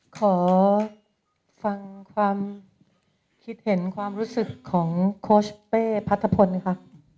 ขอฟังความคิดเห็นความรู้สึกของโค้ชเป้พัทธพลค่ะ